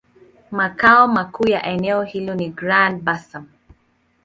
Makao makuu ya eneo hilo ni Grand-Bassam.